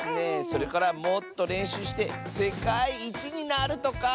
それからもっとれんしゅうしてせかいいちになるとか！